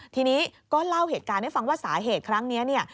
ทีนี้ก็เล่าเหตุการณ์ให้ฟังว่าสาเหตุครั้งนี้เนี่ย